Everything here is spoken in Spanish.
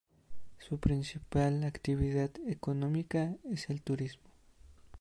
Su principal actividad económica es el turismo.